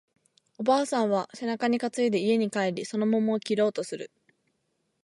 おばあさんは背中に担いで家に帰り、その桃を切ろうとする